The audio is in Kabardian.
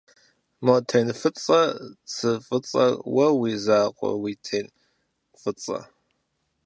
Мо тен фӏыцӏэ цы фӏыцӏэр уэ уи закъуэ уи тен фӏыцӏэ?